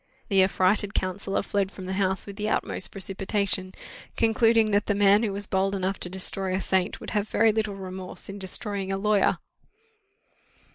The affrighted counsellor fled from the house with the utmost precipitation, concluding that the man who was bold enough to destroy a saint, would have very little remorse in destroying a lawyer.